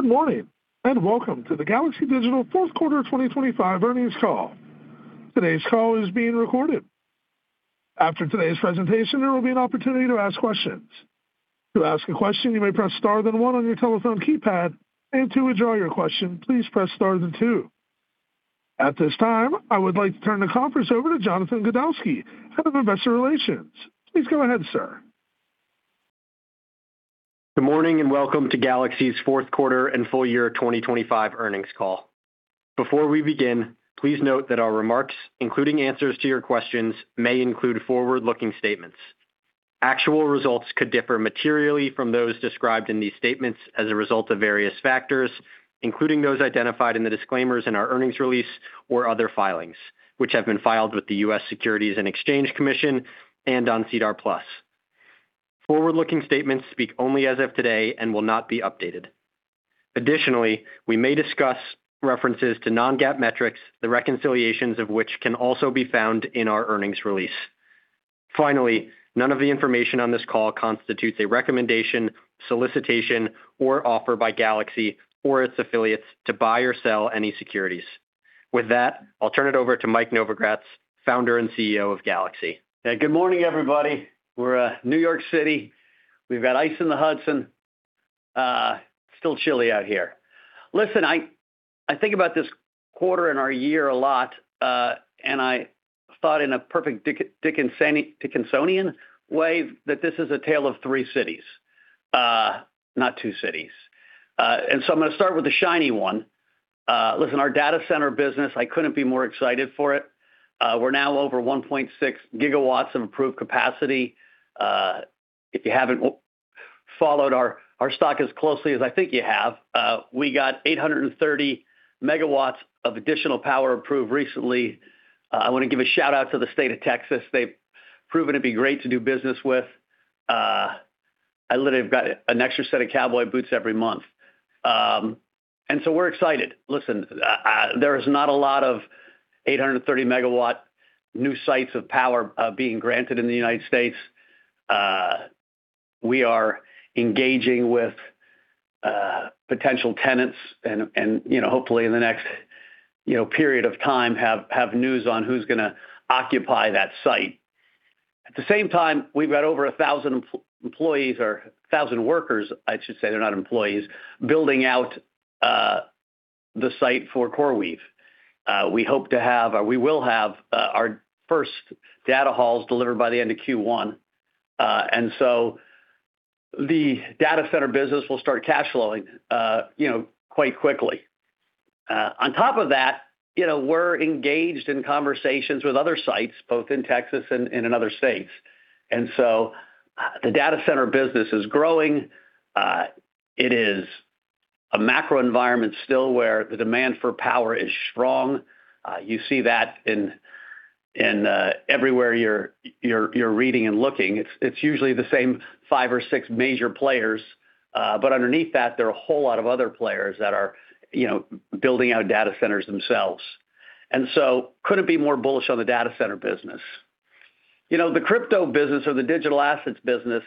Good morning, and welcome to the Galaxy Digital fourth quarter 2025 earnings call. Today's call is being recorded. After today's presentation, there will be an opportunity to ask questions. To ask a question, you may press star then one on your telephone keypad, and to withdraw your question, please press star then two. At this time, I would like to turn the conference over to Jonathan Gudowski, Head of Investor Relations. Please go ahead, sir. Good morning, and welcome to Galaxy's fourth quarter and full year 2025 earnings call. Before we begin, please note that our remarks, including answers to your questions, may include forward-looking statements. Actual results could differ materially from those described in these statements as a result of various factors, including those identified in the disclaimers in our earnings release or other filings, which have been filed with the U.S. Securities and Exchange Commission and on SEDAR+. Forward-looking statements speak only as of today and will not be updated. Additionally, we may discuss references to non-GAAP metrics, the reconciliations of which can also be found in our earnings release. Finally, none of the information on this call constitutes a recommendation, solicitation, or offer by Galaxy or its affiliates to buy or sell any securities. With that, I'll turn it over to Mike Novogratz, founder and CEO of Galaxy. Hey, good morning, everybody. We're in New York City. We've got ice in the Hudson. Still chilly out here. Listen, I think about this quarter and our year a lot, and I thought in a perfect Dickensian way, that this is a tale of three cities, not two cities. And so I'm gonna start with the shiny one. Listen, our data center business, I couldn't be more excited for it. We're now over 1.6 gigawatts of improved capacity. If you haven't followed our stock as closely as I think you have, we got 830 megawatts of additional power approved recently. I wanna give a shout-out to the state of Texas. They've proven to be great to do business with. I literally have got an extra set of cowboy boots every month. And so we're excited. Listen, there is not a lot of 830-megawatt new sites of power being granted in the United States. We are engaging with potential tenants and, you know, hopefully in the next, you know, period of time, have news on who's gonna occupy that site. At the same time, we've got over 1,000 employees or 1,000 workers, I should say, they're not employees, building out the site for CoreWeave. We hope to have or we will have our first data halls delivered by the end of Q1. And so the data center business will start cash flowing, you know, quite quickly. On top of that, you know, we're engaged in conversations with other sites, both in Texas and in other states. And so, the data center business is growing. It is a macro environment still where the demand for power is strong. You see that everywhere you're reading and looking. It's usually the same five or six major players, but underneath that, there are a whole lot of other players that are, you know, building out data centers themselves. And so couldn't be more bullish on the data center business. You know, the crypto business or the digital assets business,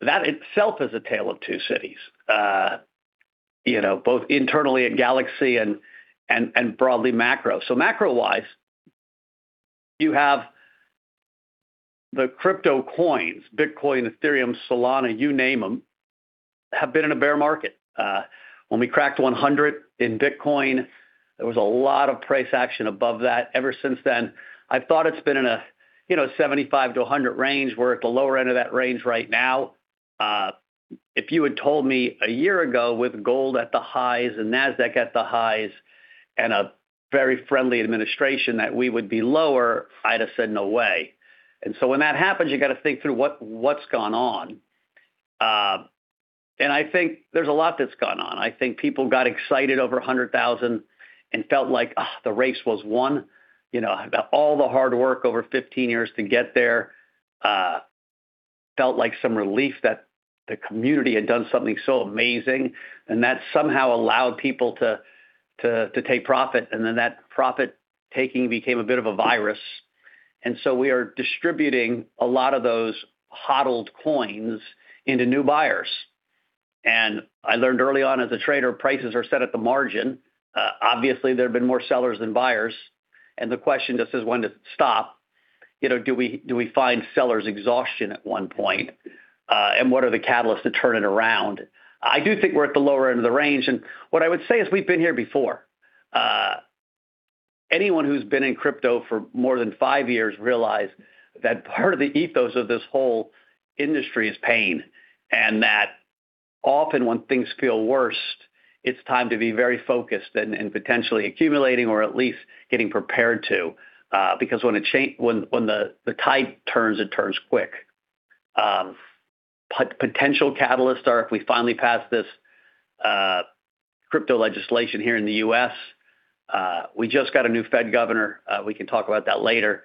that itself is a tale of two cities, you know, both internally at Galaxy and broadly macro. So macro-wise, you have the crypto coins, Bitcoin, Ethereum, Solana, you name them, have been in a bear market. When we cracked 100 in Bitcoin, there was a lot of price action above that. Ever since then, I thought it's been in a, you know, 75-100 range. We're at the lower end of that range right now. If you had told me a year ago with gold at the highs and Nasdaq at the highs and a very friendly administration, that we would be lower, I'd have said, "No way." And so when that happens, you gotta think through what's gone on. And I think there's a lot that's gone on. I think people got excited over 100,000 and felt like the race was won. You know, all the hard work over 15 years to get there felt like some relief that the community had done something so amazing, and that somehow allowed people to take profit, and then that profit-taking became a bit of a virus. And so we are distributing a lot of those HODLed coins into new buyers. And I learned early on, as a trader, prices are set at the margin. Obviously, there have been more sellers than buyers, and the question just is, when to stop? You know, do we find sellers exhaustion at one point? And what are the catalysts to turn it around? I do think we're at the lower end of the range, and what I would say is, we've been here before. Anyone who's been in crypto for more than five years realize that part of the ethos of this whole industry is pain, and that often when things feel worst, it's time to be very focused and potentially accumulating or at least getting prepared to... Because when the tide turns, it turns quick. Potential catalysts are if we finally pass this crypto legislation here in the U.S. We just got a new Fed governor. We can talk about that later.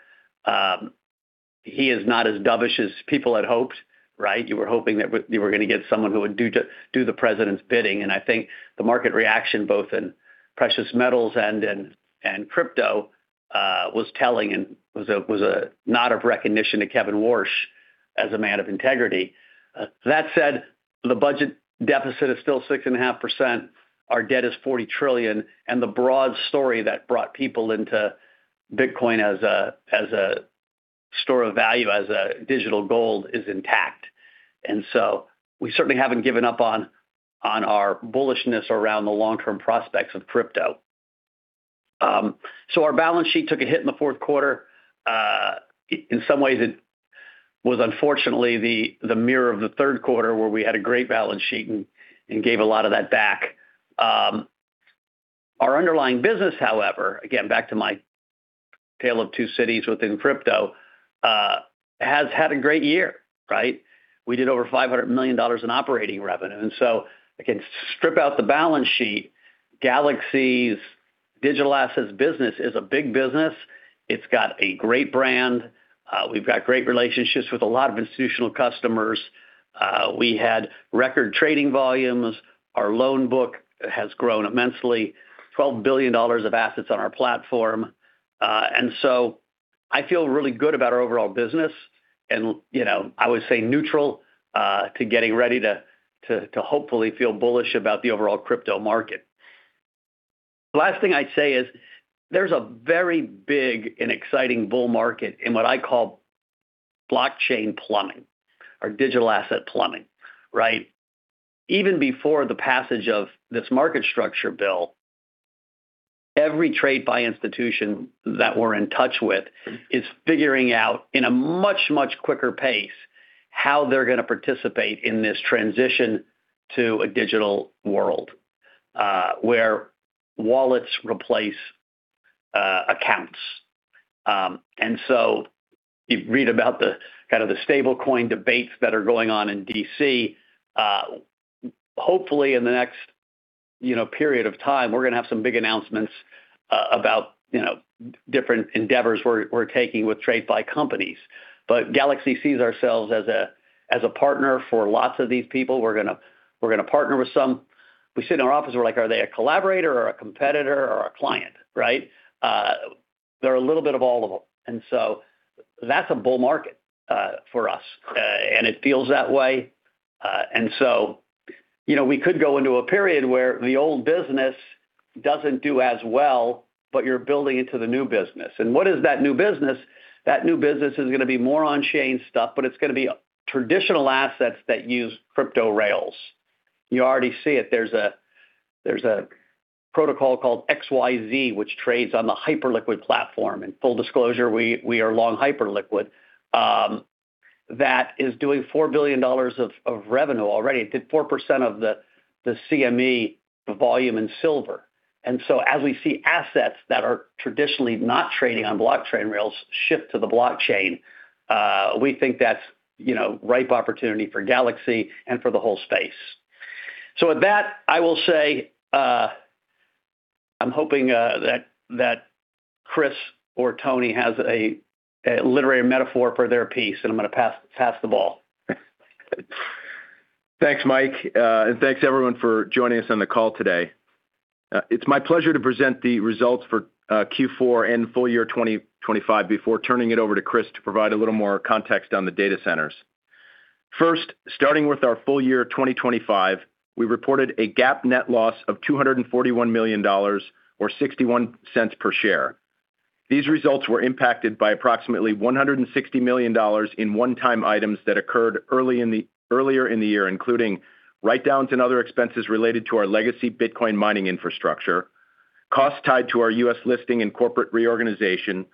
He is not as dovish as people had hoped, right? You were hoping that you were gonna get someone who would do the president's bidding, and I think the market reaction, both in precious metals and in crypto, was telling and was a nod of recognition to Kevin Warsh. As a man of integrity. That said, the budget deficit is still 6.5%, our debt is $40 trillion, and the broad story that brought people into Bitcoin as a, as a store of value, as a digital gold, is intact. And so we certainly haven't given up on, on our bullishness around the long-term prospects of crypto. So our balance sheet took a hit in the fourth quarter. In some ways, it was unfortunately the, the mirror of the third quarter, where we had a great balance sheet and, and gave a lot of that back. Our underlying business, however, again, back to my tale of two cities within crypto, has had a great year, right? We did over $500 million in operating revenue, and so again, strip out the balance sheet, Galaxy's digital assets business is a big business. It's got a great brand. We've got great relationships with a lot of institutional customers. We had record trading volumes. Our loan book has grown immensely. $12 billion of assets on our platform. And so I feel really good about our overall business and, you know, I would say neutral to getting ready to hopefully feel bullish about the overall crypto market. The last thing I'd say is, there's a very big and exciting bull market in what I call blockchain plumbing or digital asset plumbing, right? Even before the passage of this market structure bill, every TradFi institution that we're in touch with is figuring out, in a much, much quicker pace, how they're gonna participate in this transition to a digital world, where wallets replace accounts. And so you read about the kind of the stablecoin debates that are going on in D.C. Hopefully in the next, you know, period of time, we're gonna have some big announcements about, you know, different endeavors we're taking with TradFi companies. But Galaxy sees ourselves as a partner for lots of these people. We're gonna partner with some. We sit in our office, we're like, "Are they a collaborator or a competitor or a client," right? They're a little bit of all of them, and so that's a bull market for us. And it feels that way. And so, you know, we could go into a period where the old business doesn't do as well, but you're building into the new business. And what is that new business? That new business is gonna be more on-chain stuff, but it's gonna be traditional assets that use crypto rails. You already see it. There's a, there's a protocol called XYZ, which trades on the Hyperliquid platform. In full disclosure, we, we are long Hyperliquid. That is doing $4 billion of revenue already. It did 4% of the CME volume in silver. And so as we see assets that are traditionally not trading on blockchain rails shift to the blockchain, we think that's, you know, ripe opportunity for Galaxy and for the whole space. So with that, I will say, I'm hoping that Chris or Tony has a literary metaphor for their piece, and I'm gonna pass the ball. Thanks, Mike. And thanks everyone for joining us on the call today. It's my pleasure to present the results for Q4 and full year 2025, before turning it over to Chris to provide a little more context on the data centers. First, starting with our full year 2025, we reported a GAAP net loss of $241 million or $0.61 per share. These results were impacted by approximately $160 million in one-time items that occurred earlier in the year, including write-downs and other expenses related to our legacy Bitcoin mining infrastructure, costs tied to our U.S. listing and corporate reorganization,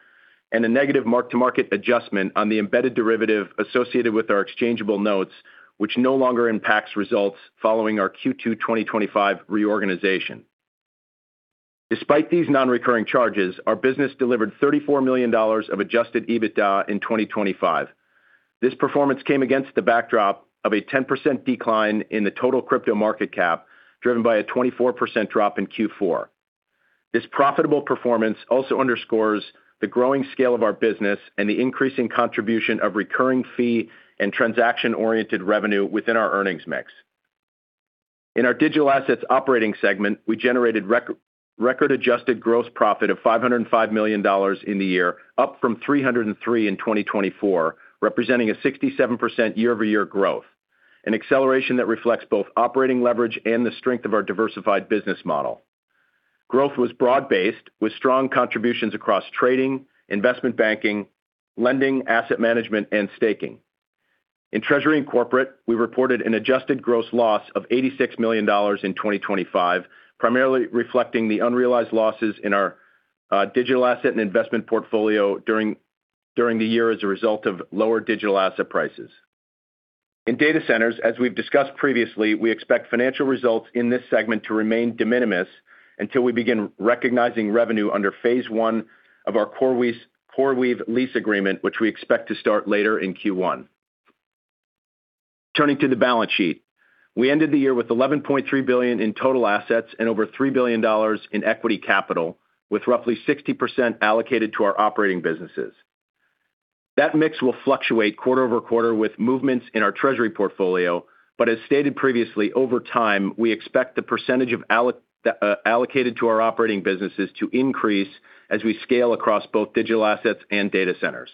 and a negative mark-to-market adjustment on the embedded derivative associated with our exchangeable notes, which no longer impacts results following our Q2 2025 reorganization. Despite these non-recurring charges, our business delivered $34 million of adjusted EBITDA in 2025. This performance came against the backdrop of a 10% decline in the total crypto market cap, driven by a 24% drop in Q4. This profitable performance also underscores the growing scale of our business and the increasing contribution of recurring fee and transaction-oriented revenue within our earnings mix. In our digital assets operating segment, we generated record adjusted gross profit of $505 million in the year, up from $303 million in 2024, representing a 67% year-over-year growth, an acceleration that reflects both operating leverage and the strength of our diversified business model. Growth was broad-based, with strong contributions across trading, investment banking, lending, asset management, and staking. In treasury and corporate, we reported an adjusted gross loss of $86 million in 2025, primarily reflecting the unrealized losses in our digital asset and investment portfolio during the year as a result of lower digital asset prices. In data centers, as we've discussed previously, we expect financial results in this segment to remain de minimis until we begin recognizing revenue under phase one of our CoreWeave lease agreement, which we expect to start later in Q1. Turning to the balance sheet, we ended the year with 11.3 billion in total assets and over $3 billion in equity capital, with roughly 60% allocated to our operating businesses. That mix will fluctuate quarter-over-quarter with movements in our treasury portfolio, but as stated previously, over time, we expect the percentage allocated to our operating businesses to increase as we scale across both digital assets and data centers.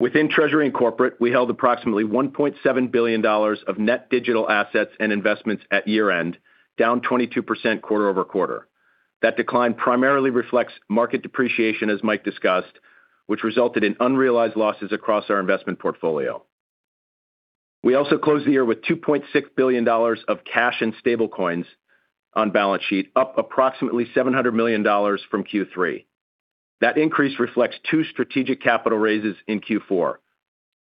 Within treasury and corporate, we held approximately $1.7 billion of net digital assets and investments at year-end, down 22% quarter-over-quarter. That decline primarily reflects market depreciation, as Mike discussed, which resulted in unrealized losses across our investment portfolio. We also closed the year with $2.6 billion of cash and stablecoins on balance sheet, up approximately $700 million from Q3. That increase reflects two strategic capital raises in Q4,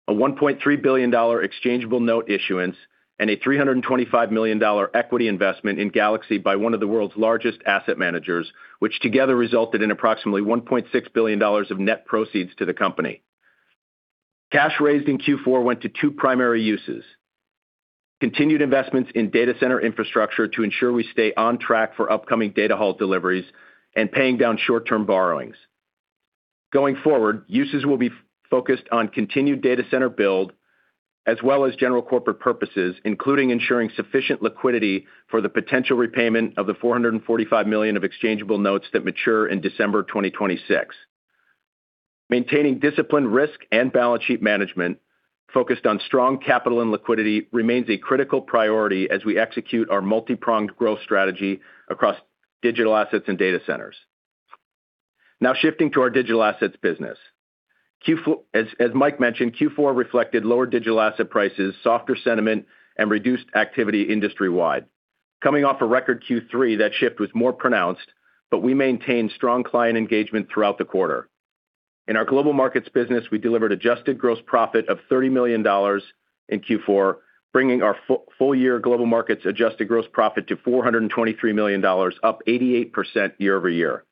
a $1.3 billion exchangeable note issuance, and a $325 million equity investment in Galaxy by one of the world's largest asset managers, which together resulted in approximately $1.6 billion of net proceeds to the company. Cash raised in Q4 went to two primary uses: continued investments in data center infrastructure to ensure we stay on track for upcoming data hall deliveries and paying down short-term borrowings. Going forward, uses will be focused on continued data center build, as well as general corporate purposes, including ensuring sufficient liquidity for the potential repayment of the $445 million of exchangeable notes that mature in December 2026. Maintaining disciplined risk and balance sheet management, focused on strong capital and liquidity, remains a critical priority as we execute our multi-pronged growth strategy across digital assets and data centers. Now, shifting to our digital assets business. Q4, as Mike mentioned, reflected lower digital asset prices, softer sentiment, and reduced activity industry-wide. Coming off a record Q3, that shift was more pronounced, but we maintained strong client engagement throughout the quarter. In our global markets business, we delivered adjusted gross profit of $30 million in Q4, bringing our full year global markets adjusted gross profit to $423 million, up 88% year over year.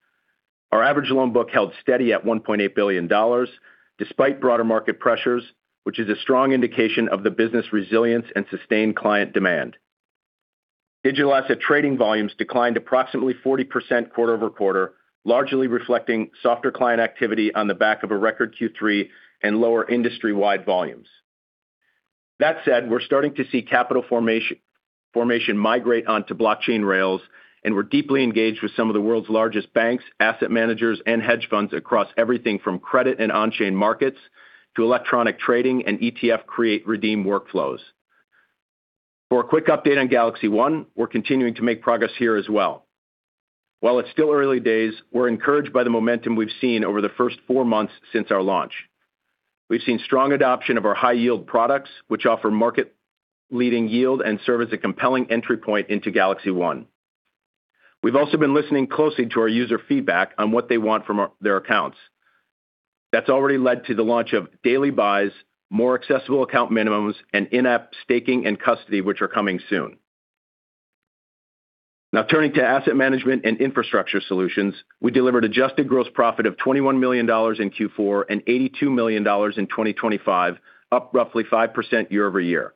Our average loan book held steady at $1.8 billion, despite broader market pressures, which is a strong indication of the business resilience and sustained client demand. Digital asset trading volumes declined approximately 40% quarter-over-quarter, largely reflecting softer client activity on the back of a record Q3 and lower industry-wide volumes. That said, we're starting to see capital formation migrate onto blockchain rails, and we're deeply engaged with some of the world's largest banks, asset managers, and hedge funds across everything from credit and on-chain markets to electronic trading and ETF create redeem workflows. For a quick update on Galaxy One, we're continuing to make progress here as well. While it's still early days, we're encouraged by the momentum we've seen over the first 4 months since our launch. We've seen strong adoption of our high-yield products, which offer market-leading yield and serve as a compelling entry point into Galaxy One. We've also been listening closely to our user feedback on what they want from their accounts. That's already led to the launch of daily buys, more accessible account minimums, and in-app staking and custody, which are coming soon. Now, turning to asset management and infrastructure solutions, we delivered adjusted gross profit of $21 million in Q4 and $82 million in 2025, up roughly 5% year-over-year.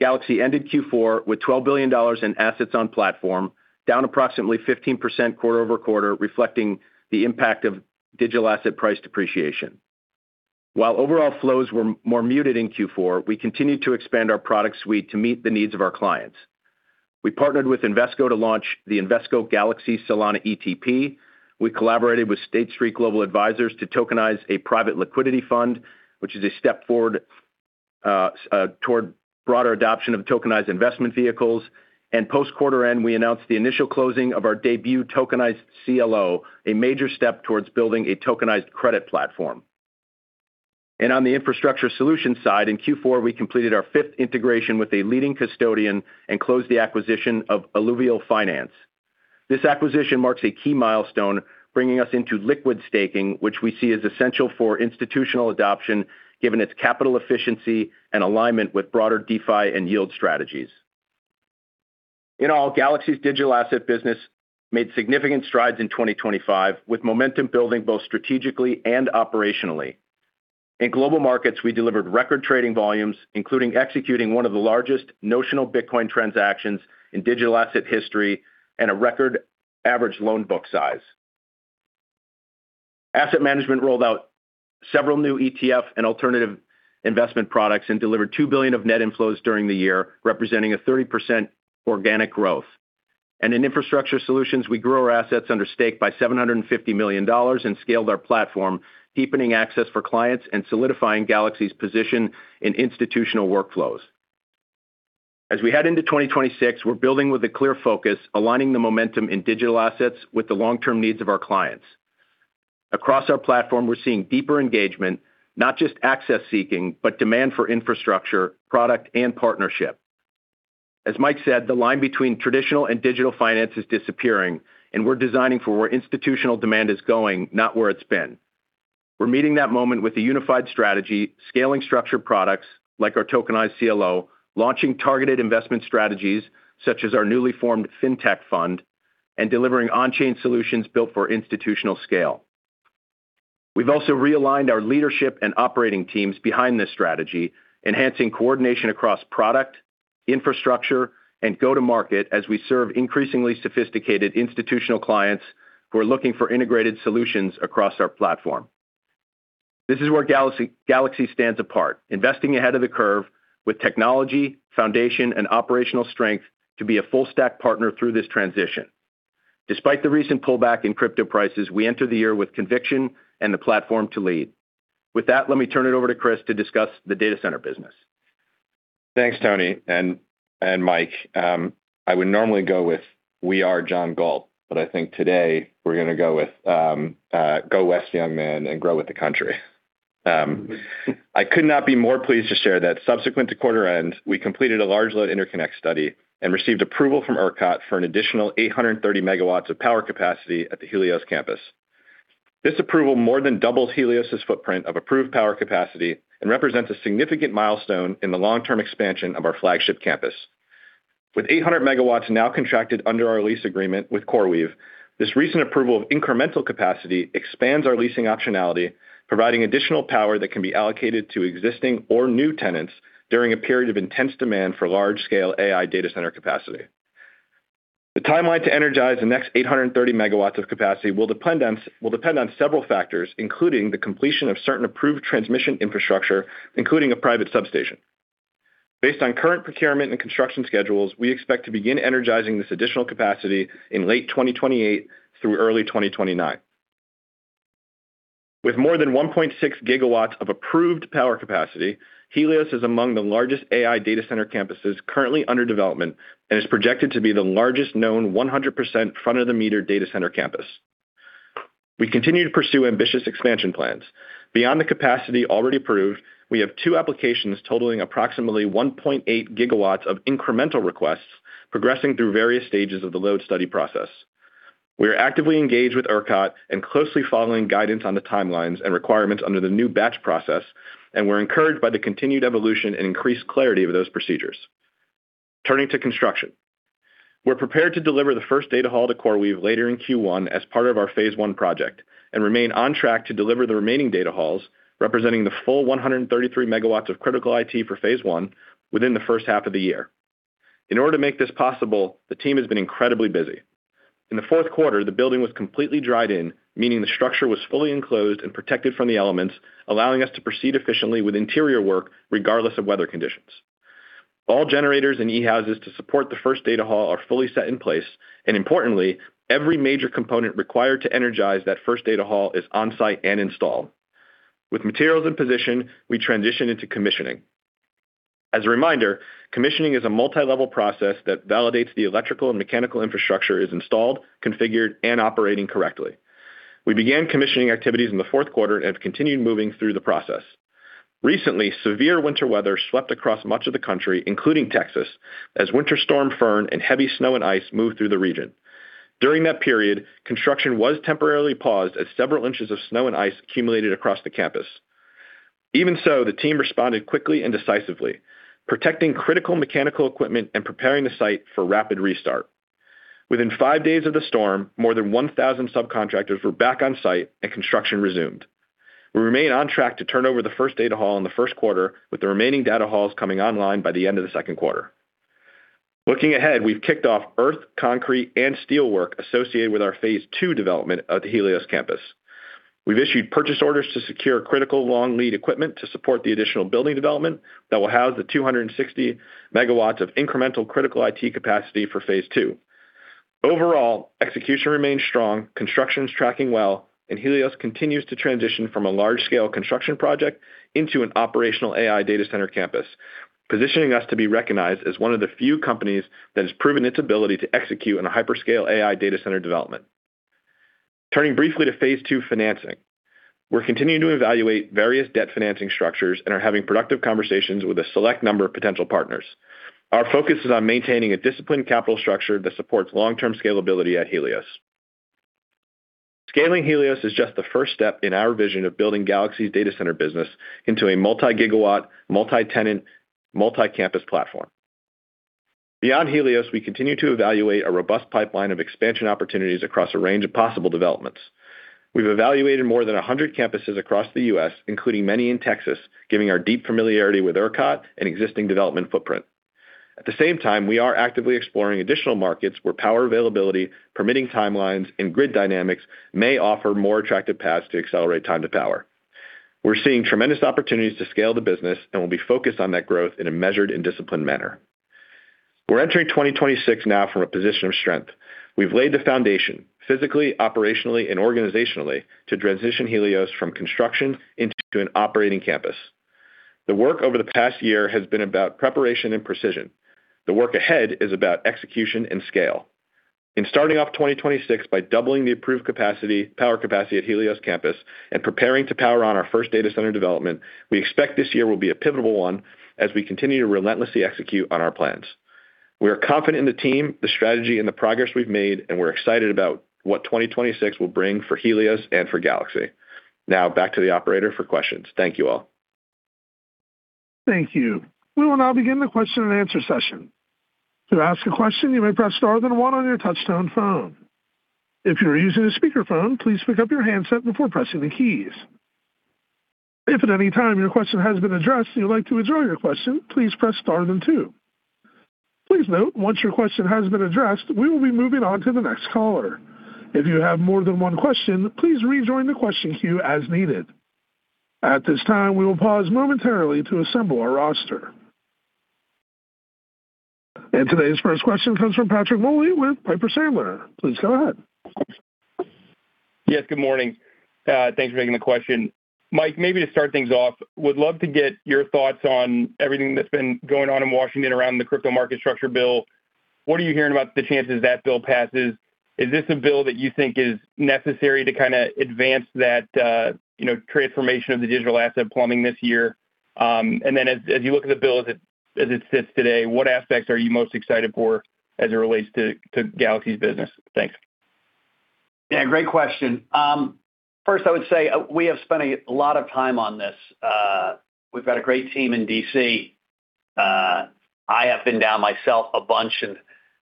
Galaxy ended Q4 with $12 billion in assets on platform, down approximately 15% quarter-over-quarter, reflecting the impact of digital asset price depreciation. While overall flows were more muted in Q4, we continued to expand our product suite to meet the needs of our clients. We partnered with Invesco to launch the Invesco Galaxy Solana ETP. We collaborated with State Street Global Advisors to tokenize a private liquidity fund, which is a step forward toward broader adoption of tokenized investment vehicles. And post-quarter end, we announced the initial closing of our debut tokenized CLO, a major step towards building a tokenized credit platform. And on the infrastructure solution side, in Q4, we completed our fifth integration with a leading custodian and closed the acquisition of Alluvial Finance. This acquisition marks a key milestone, bringing us into liquid staking, which we see as essential for institutional adoption, given its capital efficiency and alignment with broader DeFi and yield strategies. In all, Galaxy's digital asset business made significant strides in 2025, with momentum building both strategically and operationally. In global markets, we delivered record trading volumes, including executing one of the largest notional Bitcoin transactions in digital asset history and a record average loan book size. Asset Management rolled out several new ETF and alternative investment products and delivered $2 billion of net inflows during the year, representing 30% organic growth. In infrastructure solutions, we grew our assets under stake by $750 million and scaled our platform, deepening access for clients and solidifying Galaxy's position in institutional workflows. As we head into 2026, we're building with a clear focus, aligning the momentum in digital assets with the long-term needs of our clients. Across our platform, we're seeing deeper engagement, not just access seeking, but demand for infrastructure, product, and partnership. As Mike said, the line between traditional and digital finance is disappearing, and we're designing for where institutional demand is going, not where it's been. We're meeting that moment with a unified strategy, scaling structured products like our tokenized CLO, launching targeted investment strategies, such as our newly formed fintech fund, and delivering on-chain solutions built for institutional scale. We've also realigned our leadership and operating teams behind this strategy, enhancing coordination across product, infrastructure, and go-to-market as we serve increasingly sophisticated institutional clients who are looking for integrated solutions across our platform. This is where Galaxy, Galaxy stands apart, investing ahead of the curve with technology, foundation, and operational strength to be a full-stack partner through this transition.... Despite the recent pullback in crypto prices, we enter the year with conviction and the platform to lead. With that, let me turn it over to Chris to discuss the data center business. Thanks, Tony and Mike. I would normally go with, "We are John Galt," but I think today we're going to go with, "Go west, young man, and grow with the country." I could not be more pleased to share that subsequent to quarter end, we completed a large load interconnect study and received approval from ERCOT for an additional 830 MW of power capacity at the Helios campus. This approval more than doubles Helios's footprint of approved power capacity and represents a significant milestone in the long-term expansion of our flagship campus. With 800 MW now contracted under our lease agreement with CoreWeave, this recent approval of incremental capacity expands our leasing optionality, providing additional power that can be allocated to existing or new tenants during a period of intense demand for large-scale AI data center capacity. The timeline to energize the next 830 MW of capacity will depend on several factors, including the completion of certain approved transmission infrastructure, including a private substation. Based on current procurement and construction schedules, we expect to begin energizing this additional capacity in late 2028 through early 2029. With more than 1.6 GW of approved power capacity, Helios is among the largest AI data center campuses currently under development and is projected to be the largest known 100% front-of-the-meter data center campus. We continue to pursue ambitious expansion plans. Beyond the capacity already approved, we have two applications totaling approximately 1.8 GW of incremental requests progressing through various stages of the load study process. We are actively engaged with ERCOT and closely following guidance on the timelines and requirements under the new batch process, and we're encouraged by the continued evolution and increased clarity of those procedures. Turning to construction. We're prepared to deliver the first data hall to CoreWeave later in Q1 as part of our phase one project and remain on track to deliver the remaining data halls, representing the full 133 megawatts of critical IT for phase one within the first half of the year. In order to make this possible, the team has been incredibly busy. In the fourth quarter, the building was completely dried in, meaning the structure was fully enclosed and protected from the elements, allowing us to proceed efficiently with interior work regardless of weather conditions. All generators and e-houses to support the first data hall are fully set in place, and importantly, every major component required to energize that first data hall is on-site and installed. With materials in position, we transition into commissioning. As a reminder, commissioning is a multilevel process that validates the electrical and mechanical infrastructure is installed, configured, and operating correctly. We began commissioning activities in the fourth quarter and have continued moving through the process. Recently, severe winter weather swept across much of the country, including Texas, as Winter Storm Fern and heavy snow and ice moved through the region. During that period, construction was temporarily paused as several inches of snow and ice accumulated across the campus. Even so, the team responded quickly and decisively, protecting critical mechanical equipment and preparing the site for rapid restart. Within five days of the storm, more than 1,000 subcontractors were back on site and construction resumed. We remain on track to turn over the first data hall in the first quarter, with the remaining data halls coming online by the end of the second quarter. Looking ahead, we've kicked off earth, concrete, and steelwork associated with our phase two development of the Helios campus. We've issued purchase orders to secure critical long-lead equipment to support the additional building development that will house the 260 megawatts of incremental critical IT capacity for phase two. Overall, execution remains strong, construction is tracking well, and Helios continues to transition from a large-scale construction project into an operational AI data center campus, positioning us to be recognized as one of the few companies that has proven its ability to execute on a hyperscale AI data center development. Turning briefly to phase two financing. We're continuing to evaluate various debt financing structures and are having productive conversations with a select number of potential partners. Our focus is on maintaining a disciplined capital structure that supports long-term scalability at Helios. Scaling Helios is just the first step in our vision of building Galaxy's data center business into a multi-gigawatt, multi-tenant, multi-campus platform. Beyond Helios, we continue to evaluate a robust pipeline of expansion opportunities across a range of possible developments. We've evaluated more than 100 campuses across the U.S., including many in Texas, giving our deep familiarity with ERCOT an existing development footprint. At the same time, we are actively exploring additional markets where power availability, permitting timelines, and grid dynamics may offer more attractive paths to accelerate time to power. We're seeing tremendous opportunities to scale the business, and we'll be focused on that growth in a measured and disciplined manner. We're entering 2026 now from a position of strength. We've laid the foundation physically, operationally, and organizationally to transition Helios from construction into an operating campus. The work over the past year has been about preparation and precision. The work ahead is about execution and scale. In starting off 2026 by doubling the approved capacity, power capacity at Helios campus and preparing to power on our first data center development, we expect this year will be a pivotal one as we continue to relentlessly execute on our plans. We are confident in the team, the strategy, and the progress we've made, and we're excited about what 2026 will bring for Helios and for Galaxy. Now, back to the operator for questions. Thank you all. Thank you. We will now begin the question and answer session. To ask a question, you may press star then one on your touchtone phone. If you're using a speakerphone, please pick up your handset before pressing the keys. If at any time your question has been addressed and you'd like to withdraw your question, please press star then two. Please note, once your question has been addressed, we will be moving on to the next caller. If you have more than one question, please rejoin the question queue as needed. At this time, we will pause momentarily to assemble our roster.... Today's first question comes from Patrick Mulvey with Piper Sandler. Please go ahead. Yes, good morning. Thanks for taking the question. Mike, maybe to start things off, would love to get your thoughts on everything that's been going on in Washington around the crypto market structure bill. What are you hearing about the chances that bill passes? Is this a bill that you think is necessary to kind of advance that, you know, transformation of the digital asset plumbing this year? And then as you look at the bill as it sits today, what aspects are you most excited for as it relates to Galaxy's business? Thanks. Yeah, great question. First, I would say we have spent a lot of time on this. We've got a great team in D.C. I have been down myself a bunch and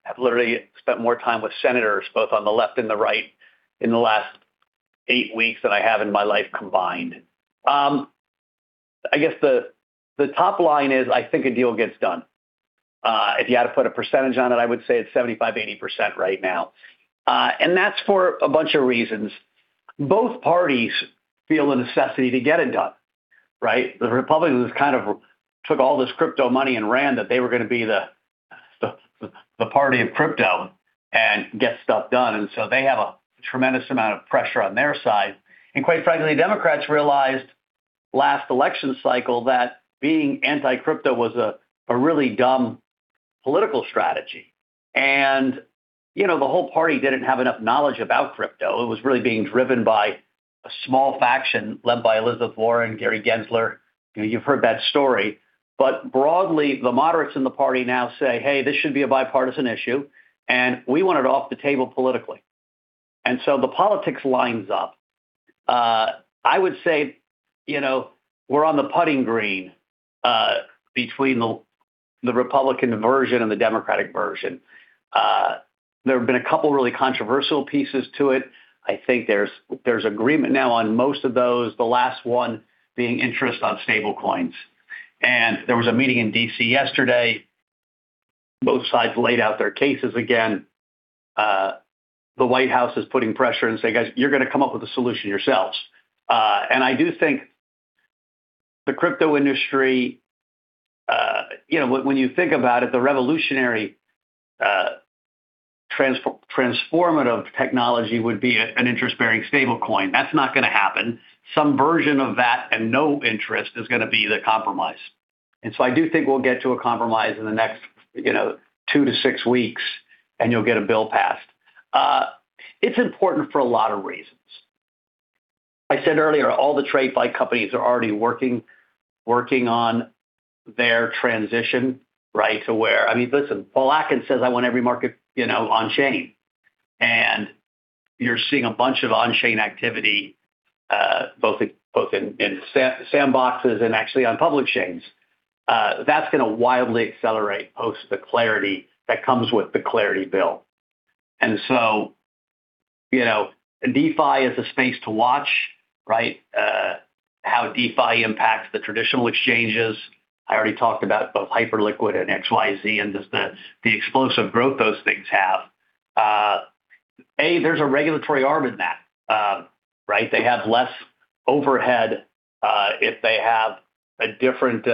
have literally spent more time with senators, both on the left and the right, in the last 8 weeks than I have in my life combined. I guess the top line is I think a deal gets done. If you had to put a percentage on it, I would say it's 75%-80% right now. And that's for a bunch of reasons. Both parties feel a necessity to get it done, right? The Republicans kind of took all this crypto money and ran, that they were gonna be the party of crypto and get stuff done, and so they have a tremendous amount of pressure on their side. And quite frankly, Democrats realized last election cycle that being anti-crypto was a really dumb political strategy. And, you know, the whole party didn't have enough knowledge about crypto. It was really being driven by a small faction led by Elizabeth Warren, Gary Gensler. You've heard that story. But broadly, the moderates in the party now say, "Hey, this should be a bipartisan issue, and we want it off the table politically." And so the politics lines up. I would say, you know, we're on the putting green between the Republican version and the Democratic version. There have been a couple of really controversial pieces to it. I think there's agreement now on most of those, the last one being interest on stablecoins. And there was a meeting in D.C. yesterday. Both sides laid out their cases again. The White House is putting pressure and say, "Guys, you're gonna come up with a solution yourselves." And I do think the crypto industry, you know, when, when you think about it, the revolutionary, transformative technology would be an interest-bearing stablecoin. That's not gonna happen. Some version of that and no interest is gonna be the compromise. And so I do think we'll get to a compromise in the next, you know, 2-6 weeks, and you'll get a bill passed. It's important for a lot of reasons. I said earlier, all the trading companies are already working on their transition, right, to where... I mean, listen, Paul Atkins says, "I want every market, you know, on-chain," and you're seeing a bunch of on-chain activity, both in sandboxes and actually on public chains. That's gonna wildly accelerate post the clarity that comes with the clarity bill. And so, you know, DeFi is a space to watch, right? How DeFi impacts the traditional exchanges. I already talked about both Hyperliquid and XYZ and just the explosive growth those things have. There's a regulatory arm in that. Right? They have less overhead if they have a different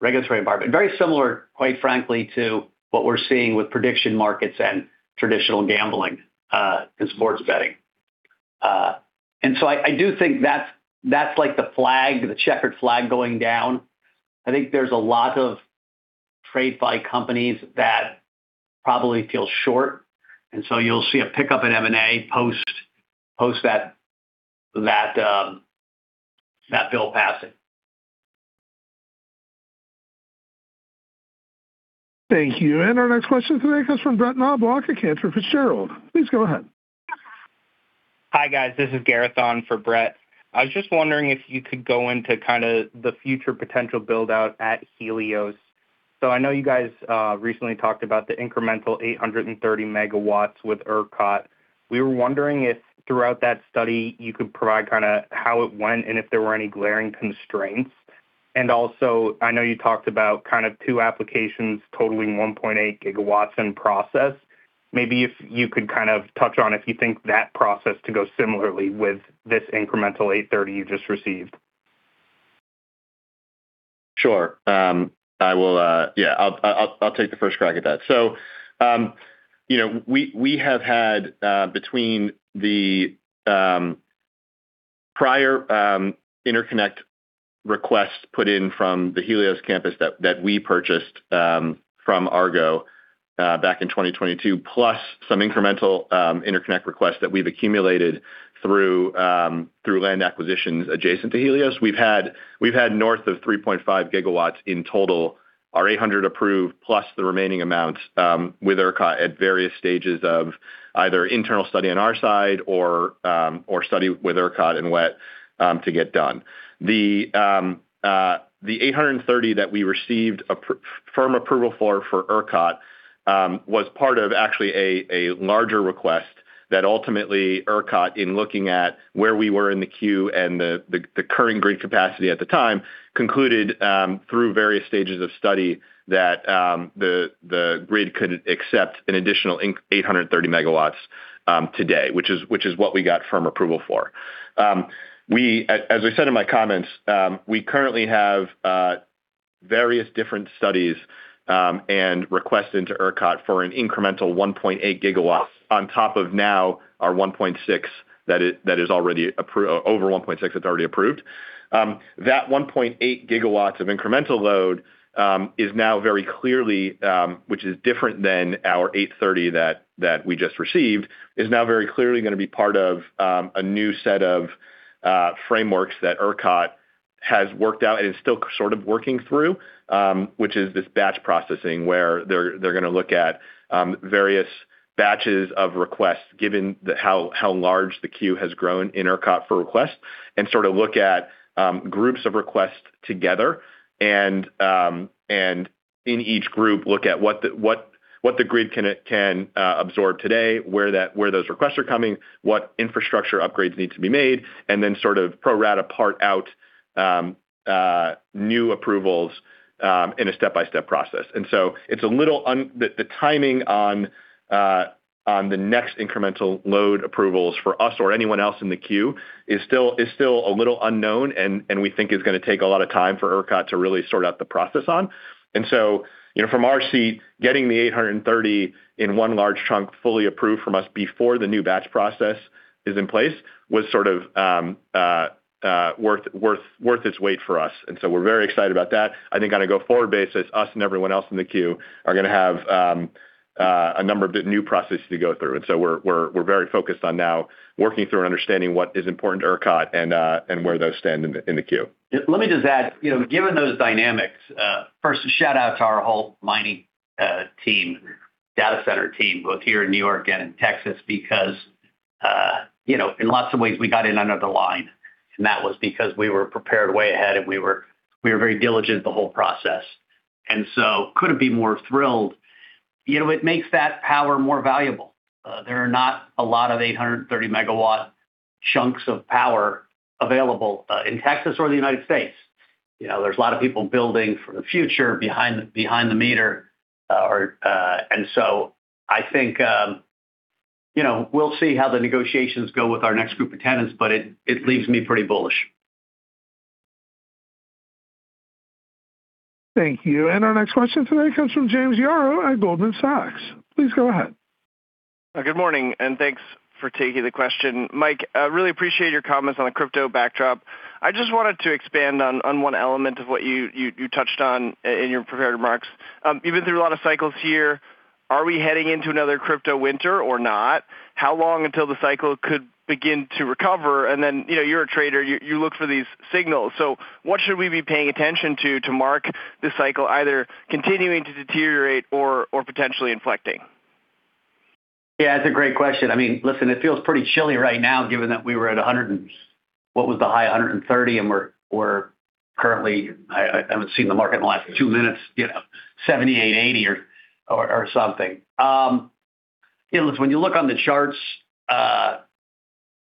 regulatory environment. Very similar, quite frankly, to what we're seeing with prediction markets and traditional gambling and sports betting. And so I do think that's like the flag, the checkered flag going down. I think there's a lot of trade fi companies that probably feel short, and so you'll see a pickup at M&A post that bill passing. Thank you. And our next question today comes from Brett Knoblauch, Cantor Fitzgerald. Please go ahead. Hi, guys. This is Gareth on for Brett. I was just wondering if you could go into kind of the future potential build-out at Helios. So I know you guys recently talked about the incremental 830 MW with ERCOT. We were wondering if throughout that study, you could provide kind of how it went and if there were any glaring constraints. And also, I know you talked about kind of two applications totaling 1.8 GW in process. Maybe if you could kind of touch on if you think that process to go similarly with this incremental 830 you just received. Sure. I will, yeah, I'll take the first crack at that. So, you know, we have had between the prior interconnect requests put in from the Helios campus that we purchased from Argo back in 2022, plus some incremental interconnect requests that we've accumulated through land acquisitions adjacent to Helios. We've had north of 3.5 gigawatts in total, our 800 approved, plus the remaining amounts with ERCOT at various stages of either internal study on our side or study with ERCOT and wait to get done. The 830 that we received a firm approval for, for ERCOT, was part of actually a larger request that ultimately ERCOT, in looking at where we were in the queue and the current grid capacity at the time, concluded, through various stages of study, that the grid could accept an additional 830 MW today, which is what we got firm approval for. We, as I said in my comments, we currently have various different studies and requests into ERCOT for an incremental 1.8 GW on top of now our 1.6, that is already over 1.6, it's already approved. That 1.8 gigawatts of incremental load is now very clearly, which is different than our 830 that we just received, is now very clearly gonna be part of a new set of frameworks that ERCOT has worked out and is still sort of working through, which is this batch processing, where they're gonna look at various batches of requests, given how large the queue has grown in ERCOT for requests, and sort of look at groups of requests together and in each group, look at what the grid can absorb today, where those requests are coming, what infrastructure upgrades need to be made, and then sort of pro rata part out new approvals in a step-by-step process. So it's a little uncertain, the timing on the next incremental load approvals for us or anyone else in the queue is still a little unknown, and we think is gonna take a lot of time for ERCOT to really sort out the process on. You know, from our seat, getting the 830 in one large chunk, fully approved for us before the new batch process is in place, was sort of worth its weight for us, and so we're very excited about that. I think on a go-forward basis, us and everyone else in the queue are gonna have a number of new processes to go through. So we're very focused on now working through and understanding what is important to ERCOT and where those stand in the queue. Let me just add, you know, given those dynamics, first, a shout-out to our whole mining team, data center team, both here in New York and in Texas, because, you know, in lots of ways, we got in under the line, and that was because we were prepared way ahead, and we were very diligent the whole process, and so couldn't be more thrilled. You know, it makes that power more valuable. There are not a lot of 830 MW chunks of power available in Texas or the United States. You know, there's a lot of people building for the future behind the meter, or. So I think, you know, we'll see how the negotiations go with our next group of tenants, but it leaves me pretty bullish. Thank you. Our next question today comes from James Yaro at Goldman Sachs. Please go ahead. Good morning, and thanks for taking the question. Mike, I really appreciate your comments on the crypto backdrop. I just wanted to expand on one element of what you touched on in your prepared remarks. You've been through a lot of cycles here. Are we heading into another crypto winter or not? How long until the cycle could begin to recover? And then, you know, you're a trader, you look for these signals. So what should we be paying attention to, to mark this cycle, either continuing to deteriorate or potentially inflecting? Yeah, that's a great question. I mean, listen, it feels pretty chilly right now, given that we were at 100 and... What was the high? 130, and we're currently, I haven't seen the market in the last two minutes, you know, $78, $80 or something. You know, look, when you look on the charts,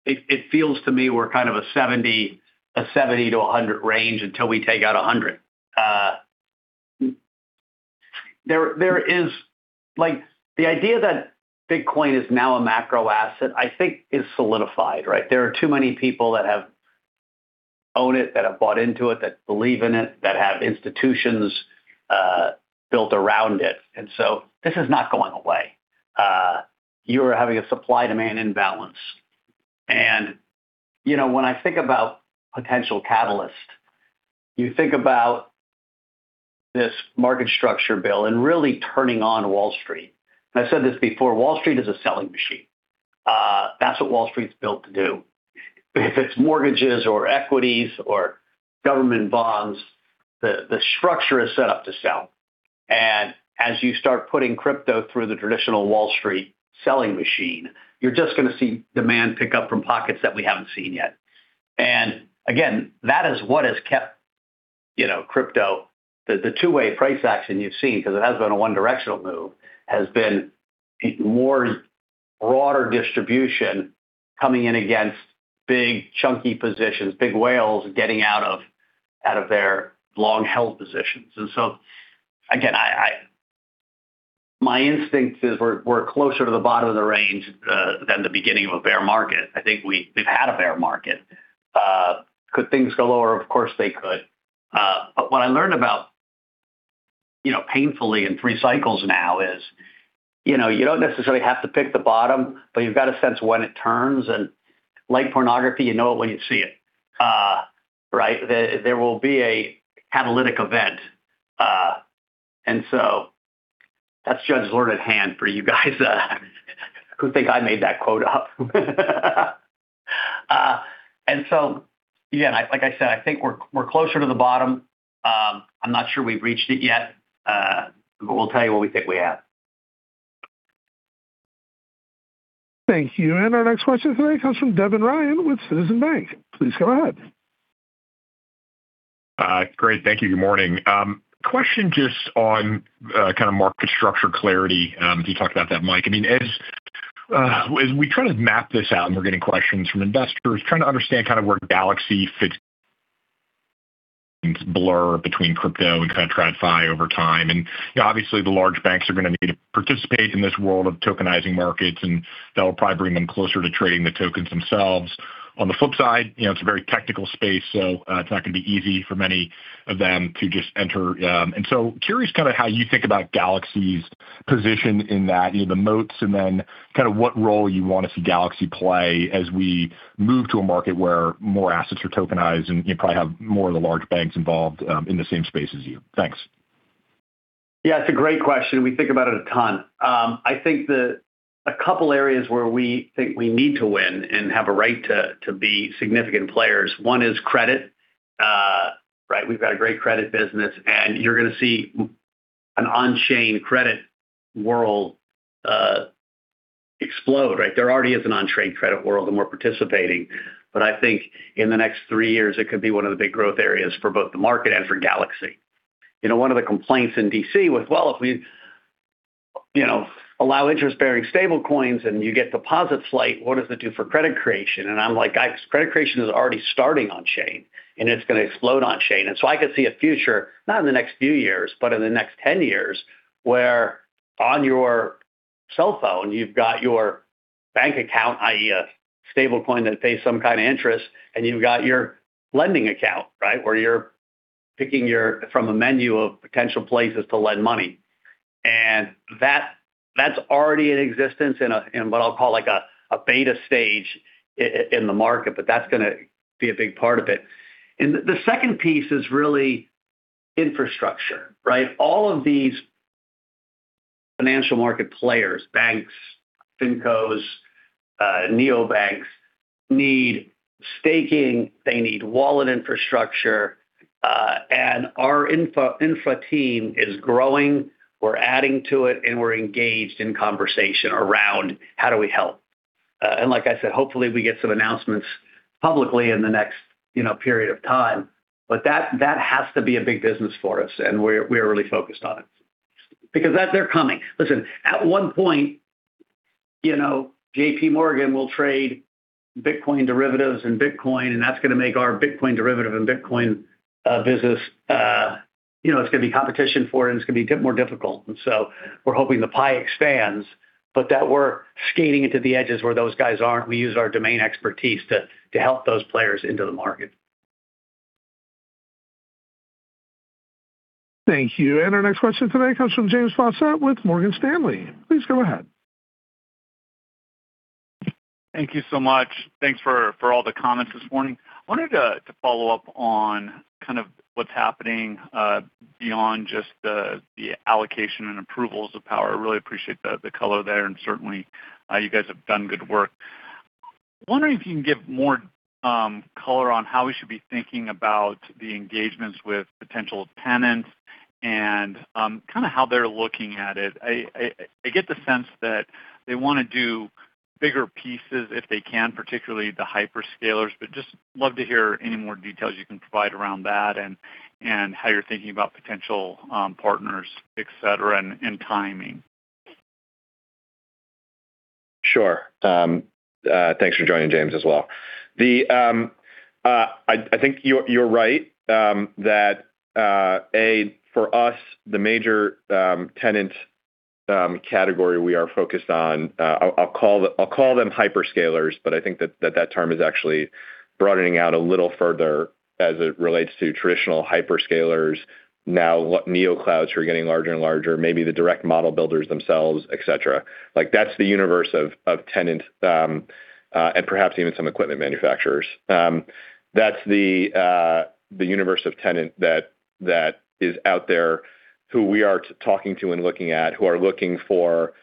it feels to me we're kind of a $70-$100 range until we take out $100. There is... Like, the idea that Bitcoin is now a macro asset, I think is solidified, right? There are too many people that have owned it, that have bought into it, that believe in it, that have institutions built around it, and so this is not going away. You are having a supply-demand imbalance. And, you know, when I think about potential catalyst, you think about this market structure bill and really turning on Wall Street. And I said this before, Wall Street is a selling machine. That's what Wall Street's built to do. If it's mortgages or equities or government bonds, the structure is set up to sell. And as you start putting crypto through the traditional Wall Street selling machine, you're just gonna see demand pick up from pockets that we haven't seen yet. And again, that is what has kept, you know, crypto, the two-way price action you've seen, because it has been a one-directional move, has been a more broader distribution coming in against big, chunky positions, big whales getting out of their long-held positions. And so, again, I... My instinct is we're closer to the bottom of the range than the beginning of a bear market. I think we've had a bear market. Could things go lower? Of course, they could. But what I learned about, you know, painfully in three cycles now is, you know, you don't necessarily have to pick the bottom, but you've got a sense of when it turns, and like pornography, you know it when you see it. Right? There will be a catalytic event. And so that's Judge Lorna Hand for you guys who think I made that quote up. And so, again, like I said, I think we're closer to the bottom. I'm not sure we've reached it yet, but we'll tell you when we think we have. Thank you. And our next question today comes from Devin Ryan with Citizens. Please go ahead. Great, thank you. Good morning. Question just on kind of market structure clarity. You talked about that, Mike. I mean, as we try to map this out, and we're getting questions from investors, trying to understand kind of where Galaxy fits in the blur between crypto and kind of TradFi over time. You know, obviously, the large banks are going to need to participate in this world of tokenizing markets, and that'll probably bring them closer to trading the tokens themselves. On the flip side, you know, it's a very technical space, so it's not going to be easy for many of them to just enter. Curious kind of how you think about Galaxy's position in that, you know, the moats, and then kind of what role you want to see Galaxy play as we move to a market where more assets are tokenized, and you probably have more of the large banks involved in the same space as you? Thanks. Yeah, it's a great question. We think about it a ton. I think that a couple areas where we think we need to win and have a right to, to be significant players, one is credit. Right? We've got a great credit business, and you're going to see an on-chain credit world explode, right? There already is an on-chain credit world, and we're participating, but I think in the next three years, it could be one of the big growth areas for both the market and for Galaxy. You know, one of the complaints in D.C. was, well, if we, you know, allow interest-bearing stablecoins and you get deposit flight, what does it do for credit creation? And I'm like, guys, credit creation is already starting on-chain, and it's going to explode on-chain. And so I could see a future, not in the next few years, but in the next ten years, where on your cellphone, you've got your bank account, i.e., a stablecoin that pays some kind of interest, and you've got your lending account, right? Where you're picking from a menu of potential places to lend money. And that, that's already in existence in a in what I'll call, like, a beta stage in the market, but that's going to be a big part of it. And the second piece is really infrastructure, right? All of these financial market players, banks, fincos, neobanks, need staking, they need wallet infrastructure, and our infra, infra team is growing. We're adding to it, and we're engaged in conversation around how do we help? And like I said, hopefully, we get some announcements publicly in the next, you know, period of time, but that, that has to be a big business for us, and we're, we're really focused on it. Because that—they're coming. Listen, at one point, you know, JPMorgan will trade Bitcoin derivatives and Bitcoin, and that's going to make our Bitcoin derivative and Bitcoin business, you know, it's going to be competition for it, and it's going to be more difficult. And so we're hoping the pie expands, but that we're skating into the edges where those guys aren't. We use our domain expertise to, to help those players into the market. Thank you. Our next question today comes from James Faucette with Morgan Stanley. Please go ahead. Thank you so much. Thanks for all the comments this morning. I wanted to follow up on kind of what's happening beyond just the allocation and approvals of power. I really appreciate the color there, and certainly you guys have done good work. Wondering if you can give more color on how we should be thinking about the engagements with potential tenants and kind of how they're looking at it. I get the sense that they want to do bigger pieces if they can, particularly the hyperscalers, but just love to hear any more details you can provide around that and how you're thinking about potential partners, et cetera, and timing. Sure. Thanks for joining, James, as well. I think you're right that for us, the major tenant category we are focused on, I'll call them hyperscalers, but I think that term is actually broadening out a little further as it relates to traditional hyperscalers. Now, what neoclouds are getting larger and larger, maybe the direct model builders themselves, et cetera. Like, that's the universe of tenant, and perhaps even some equipment manufacturers. That's the universe of tenant that is out there, who we are talking to and looking at, who are looking for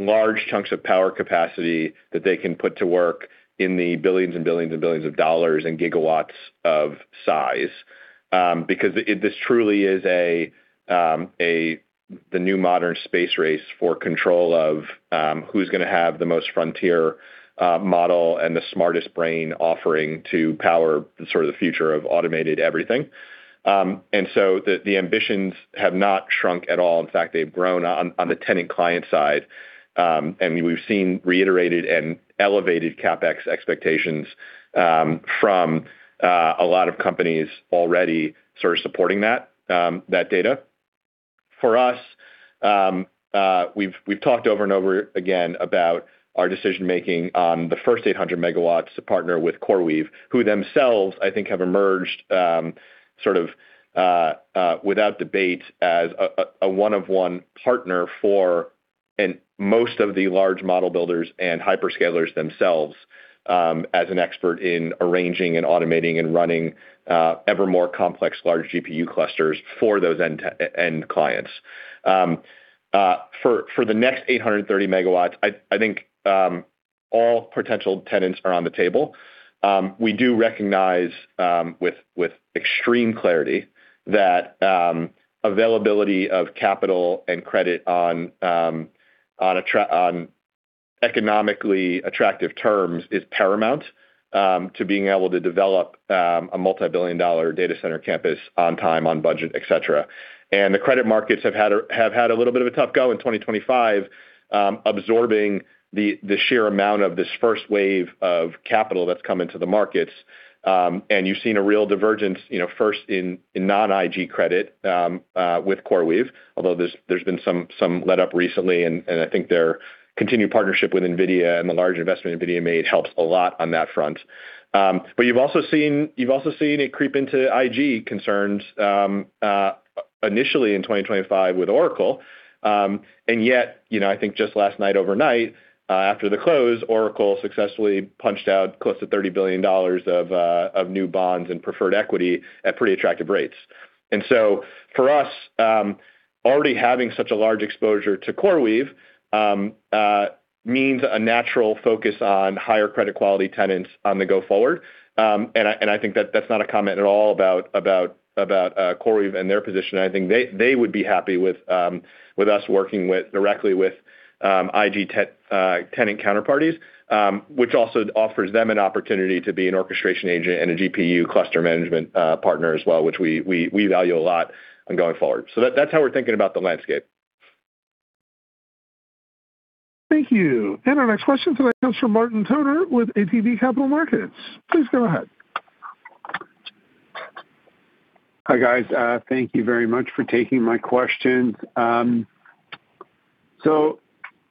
large chunks of power capacity that they can put to work in the billions and billions and billions of dollars and gigawatts of size. Because this truly is a the new modern space race for control of, who's going to have the most frontier model and the smartest brain offering to power the sort of the future of automated everything. And so the ambitions have not shrunk at all. In fact, they've grown on the tenant client side, and we've seen reiterated and elevated CapEx expectations from a lot of companies already sort of supporting that data. For us, we've talked over and over again about our decision-making on the first 800 MW to partner with CoreWeave, who themselves, I think, have emerged sort of without debate as a one-of-one partner for... and most of the large model builders and hyperscalers themselves, as an expert in arranging and automating and running ever more complex, large GPU clusters for those end-to-end clients. For the next 830 megawatts, I think all potential tenants are on the table. We do recognize with extreme clarity that availability of capital and credit on economically attractive terms is paramount to being able to develop a multibillion-dollar data center campus on time, on budget, et cetera. And the credit markets have had a little bit of a tough go in 2025, absorbing the sheer amount of this first wave of capital that's come into the markets. And you've seen a real divergence, you know, first in non-IG credit, with CoreWeave, although there's been some letup recently, and I think their continued partnership with NVIDIA and the large investment NVIDIA made helps a lot on that front. But you've also seen it creep into IG concerns, initially in 2025 with Oracle. And yet, you know, I think just last night, overnight, after the close, Oracle successfully punched out close to $30 billion of new bonds and preferred equity at pretty attractive rates. And so for us, already having such a large exposure to CoreWeave, means a natural focus on higher credit quality tenants on the go-forward. And I think that that's not a comment at all about CoreWeave and their position. I think they would be happy with us working directly with IG tenant counterparties, which also offers them an opportunity to be an orchestration agent and a GPU cluster management partner as well, which we value a lot going forward. So that's how we're thinking about the landscape. Thank you. Our next question today comes from Martin Toner with ATB Capital Markets. Please go ahead. Hi, guys. Thank you very much for taking my questions.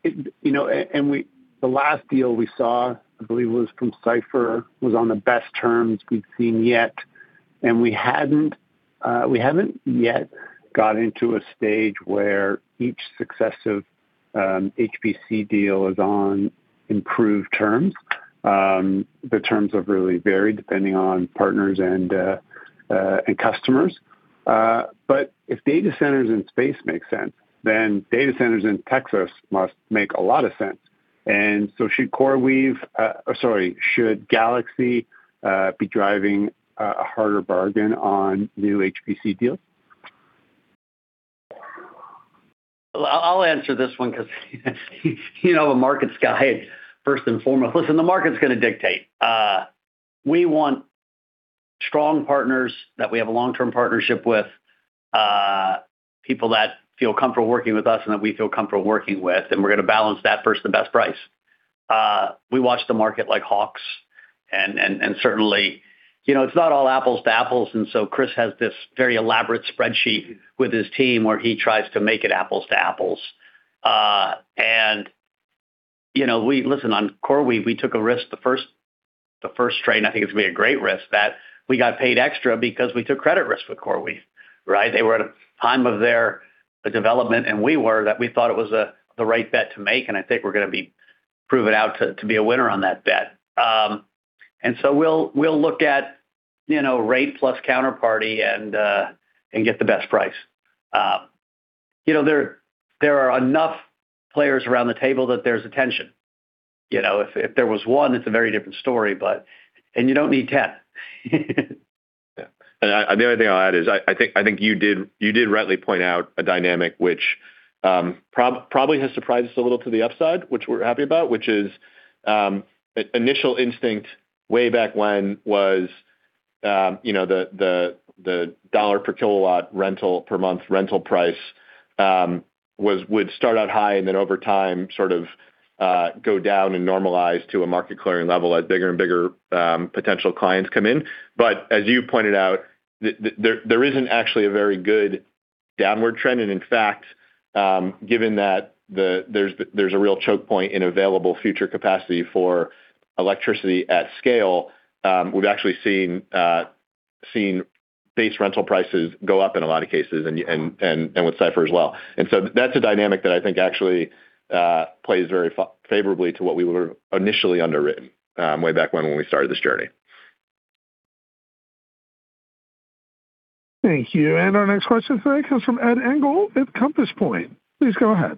The last deal we saw, I believe, was from Cipher, was on the best terms we've seen yet, and we hadn't, we haven't yet got into a stage where each successive HPC deal is on improved terms. The terms have really varied depending on partners and customers. But if data centers in space make sense, then data centers in Texas must make a lot of sense. And so should CoreWeave, sorry, should Galaxy, be driving a harder bargain on new HPC deals? Well, I'll answer this one 'cause, you know, a markets guy, first and foremost. Listen, the market's gonna dictate. We want strong partners that we have a long-term partnership with, people that feel comfortable working with us and that we feel comfortable working with, and we're gonna balance that versus the best price. We watch the market like hawks, and certainly, you know, it's not all apples to apples, and so Chris has this very elaborate spreadsheet with his team, where he tries to make it apples to apples. And, you know, we... Listen, on CoreWeave, we took a risk, the first train, I think it was a great risk that we got paid extra because we took credit risk with CoreWeave, right? They were at a time of their development, and we were that we thought it was the right bet to make, and I think we're gonna prove it out to be a winner on that bet. And so we'll look at, you know, rate plus counterparty and get the best price. You know, there are enough players around the table that there's a tension. You know, if there was one, it's a very different story, but... And you don't need ten. Yeah. The only thing I'll add is I think you did rightly point out a dynamic which probably has surprised us a little to the upside, which we're happy about, which is initial instinct way back when was you know the $ per kilowatt rental per month rental price would start out high and then over time sort of go down and normalize to a market clearing level as bigger and bigger potential clients come in. But as you pointed out, there isn't actually a very good downward trend, and in fact, given that there's a real choke point in available future capacity for electricity at scale, we've actually seen base rental prices go up in a lot of cases, and with Cipher as well. And so that's a dynamic that I think actually plays very favorably to what we were initially underwritten way back when we started this journey. Thank you. Our next question today comes from Ed Engel at Compass Point. Please go ahead.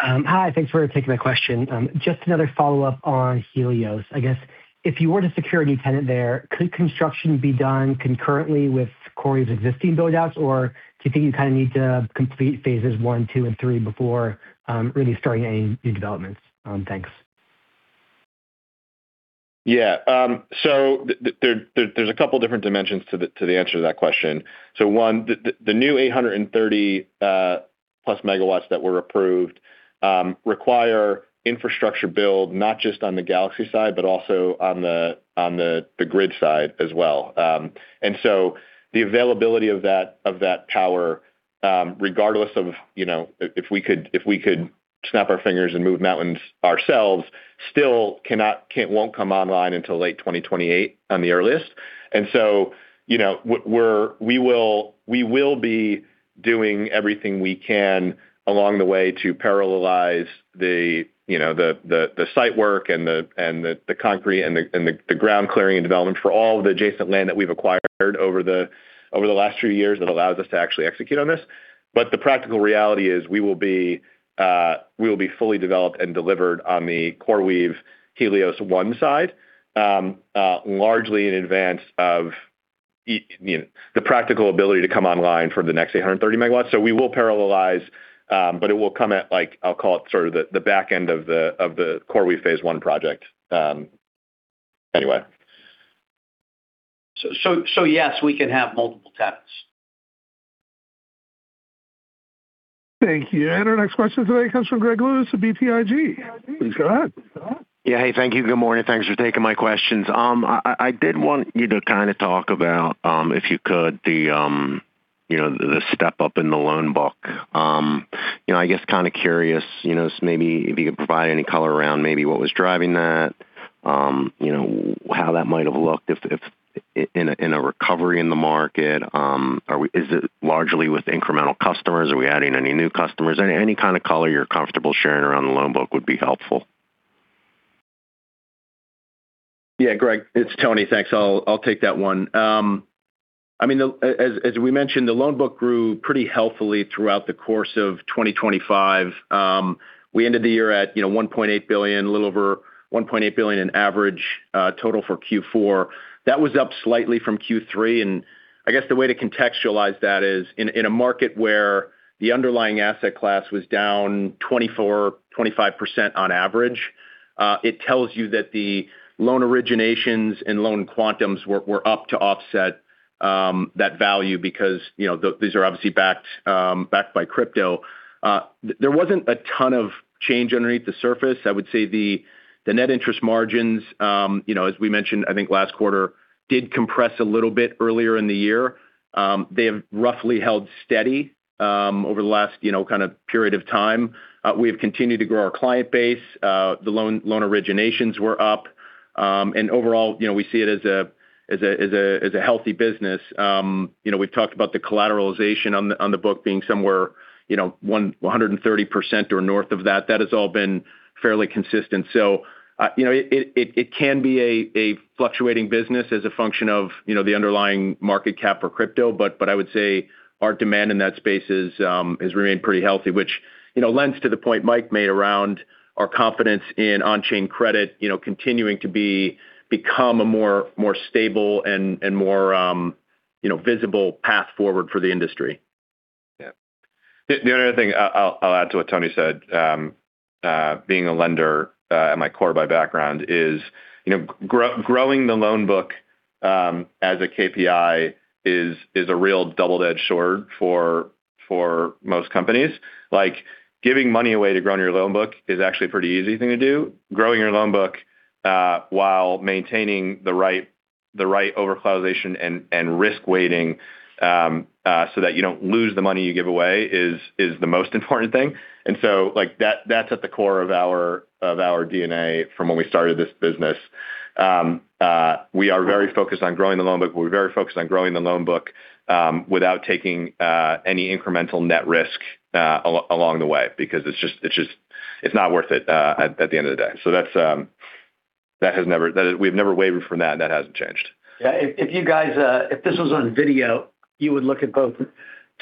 Hi, thanks for taking the question. Just another follow-up on Helios. I guess, if you were to secure a new tenant there, could construction be done concurrently with CoreWeave's existing build-outs, or do you think you kinda need to complete phases one, two, and three before really starting any new developments? Thanks. Yeah, so there, there's a couple different dimensions to the answer to that question. So one, the new 830+ MW that were approved require infrastructure build, not just on the Galaxy side, but also on the grid side as well. And so the availability of that power, regardless of, you know, if we could snap our fingers and move mountains ourselves, still can't, won't come online until late 2028, at the earliest. And so, you know, we're, we will, we will be doing everything we can along the way to parallelize the, you know, the site work and the concrete and the ground clearing and development for all the adjacent land that we've acquired over the last few years that allows us to actually execute on this. But the practical reality is, we will be fully developed and delivered on the CoreWeave Helios One side, largely in advance of, you know, the practical ability to come online for the next 830 MW. So we will parallelize, but it will come at like, I'll call it sort of the back end of the CoreWeave phase one project. Anyway. Yes, we can have multiple tenants.... Thank you. And our next question today comes from Greg Lewis of BTIG. Please go ahead. Yeah, hey, thank you. Good morning. Thanks for taking my questions. I did want you to kind of talk about, if you could, you know, the step-up in the loan book. You know, I guess kind of curious, you know, so maybe if you could provide any color around maybe what was driving that, you know, how that might have looked if in a recovery in the market. Is it largely with incremental customers? Are we adding any new customers? Any kind of color you're comfortable sharing around the loan book would be helpful. Yeah, Greg, it's Tony. Thanks. I'll, I'll take that one. I mean, as we mentioned, the loan book grew pretty healthily throughout the course of 2025. We ended the year at, you know, $1.8 billion, a little over $1.8 billion in average, total for Q4. That was up slightly from Q3, and I guess the way to contextualize that is in a market where the underlying asset class was down 24%-25% on average, it tells you that the loan originations and loan quantums were up to offset that value because, you know, these are obviously backed by crypto. There wasn't a ton of change underneath the surface. I would say the net interest margins, you know, as we mentioned, I think last quarter, did compress a little bit earlier in the year. They have roughly held steady over the last, you know, kind of period of time. We have continued to grow our client base. The loan originations were up, and overall, you know, we see it as a healthy business. You know, we've talked about the collateralization on the book being somewhere, you know, 130% or north of that. That has all been fairly consistent. So, you know, it can be a fluctuating business as a function of, you know, the underlying market cap for crypto, but I would say our demand in that space is, has remained pretty healthy, which, you know, lends to the point Mike made around our confidence in on-chain credit, you know, continuing to become a more stable and more, you know, visible path forward for the industry. Yeah. The only other thing I'll add to what Tony said, being a lender at my core by background is, you know, growing the loan book as a KPI is a real double-edged sword for most companies. Like, giving money away to grow your loan book is actually a pretty easy thing to do. Growing your loan book while maintaining the right overcollateralization and risk weighting so that you don't lose the money you give away is the most important thing. And so, like, that's at the core of our DNA from when we started this business. We are very focused on growing the loan book. We're very focused on growing the loan book without taking any incremental net risk along the way, because it's just not worth it at the end of the day. So that's that has never... We've never wavered from that, and that hasn't changed. Yeah, if, if you guys, if this was on video, you would look at both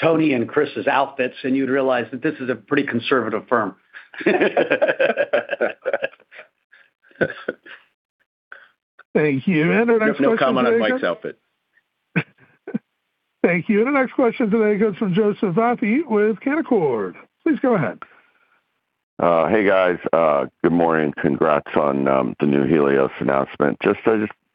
Tony and Chris's outfits, and you'd realize that this is a pretty conservative firm. Thank you. The next question- I have no comment on Mike's outfit. Thank you. The next question today goes from Joe Vafi with Canaccord. Please go ahead. Hey, guys, good morning. Congrats on the new Helios announcement. Just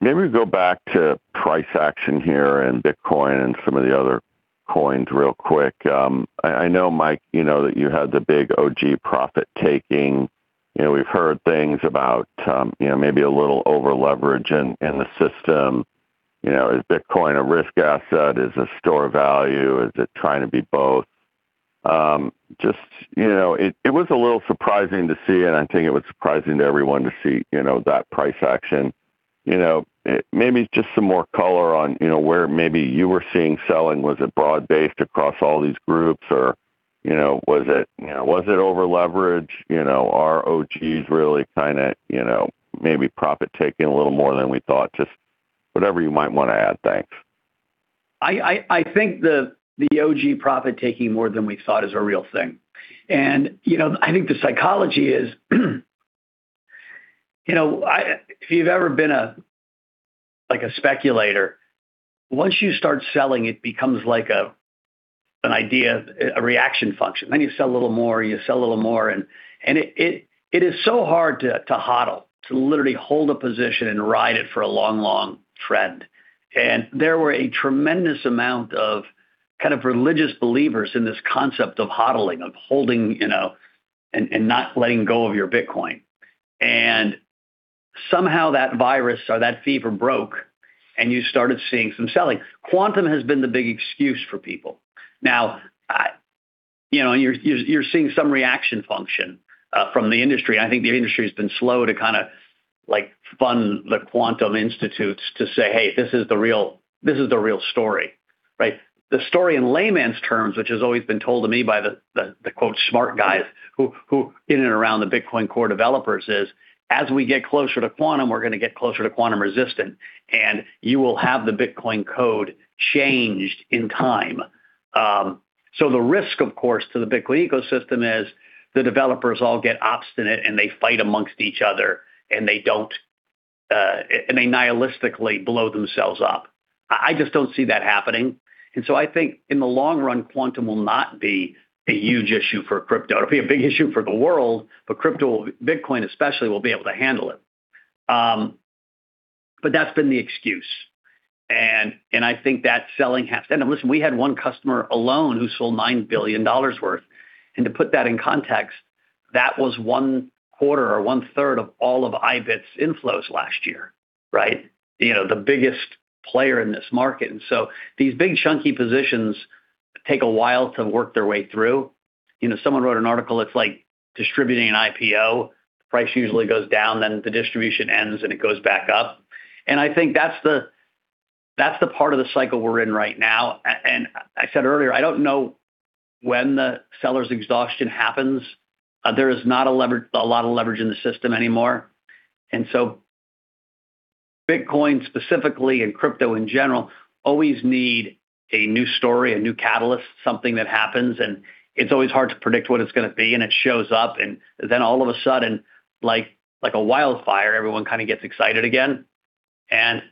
maybe go back to price action here and Bitcoin and some of the other coins real quick. I know, Mike, you know that you had the big OG profit-taking. You know, we've heard things about, you know, maybe a little over-leverage in the system. You know, is Bitcoin a risk asset? Is it a store of value? Is it trying to be both? Just, you know, it was a little surprising to see, and I think it was surprising to everyone to see, you know, that price action. You know, maybe just some more color on, you know, where maybe you were seeing selling. Was it broad-based across all these groups or, you know, was it over-leverage? You know, are OGs really kinda, you know, maybe profit-taking a little more than we thought? Just whatever you might wanna add. Thanks. I think the OG profit-taking more than we thought is a real thing. And, you know, I think the psychology is, you know, if you've ever been a, like, a speculator, once you start selling, it becomes like a, an idea, a reaction function. Then you sell a little more, you sell a little more, and it is so hard to HODL, to literally hold a position and ride it for a long, long trend. And there were a tremendous amount of kind of religious believers in this concept of HODLing, of holding, you know, and not letting go of your Bitcoin. And somehow that virus or that fever broke, and you started seeing some selling. Quantum has been the big excuse for people. Now, you know, you're seeing some reaction function from the industry. I think the industry has been slow to kinda, like, fund the quantum institutes to say: Hey, this is the real, this is the real story, right? The story in layman's terms, which has always been told to me by the quote "smart guys" who in and around the Bitcoin core developers, is, as we get closer to quantum, we're gonna get closer to quantum resistance, and you will have the Bitcoin code changed in time. So the risk, of course, to the Bitcoin ecosystem is the developers all get obstinate, and they fight amongst each other, and they don't... And they nihilistically blow themselves up. I just don't see that happening, and so I think in the long run, quantum will not be a huge issue for crypto. It'll be a big issue for the world, but crypto, Bitcoin especially, will be able to handle it. But that's been the excuse, and I think that selling has. And listen, we had one customer alone who sold $9 billion worth. And to put that in context, that was one quarter or one-third of all of iBIT's inflows last year, right? You know, the biggest player in this market. And so these big, chunky positions take a while to work their way through. You know, someone wrote an article, it's like distributing an IPO. Price usually goes down, then the distribution ends, and it goes back up. And I think that's the part of the cycle we're in right now. And I said earlier, I don't know when the seller's exhaustion happens. There is not a lot of leverage in the system anymore. And so Bitcoin, specifically, and crypto in general, always need a new story, a new catalyst, something that happens, and it's always hard to predict what it's gonna be, and it shows up, and then all of a sudden, like a wildfire, everyone kinda gets excited again. And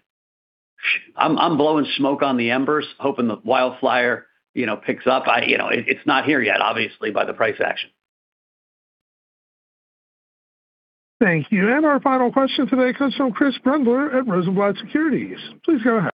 I'm blowing smoke on the embers, hoping the wildfire, you know, picks up. You know, it's not here yet, obviously, by the price action. Thank you. And our final question today comes from Chris Brendler at Rosenblatt Securities. Please go ahead.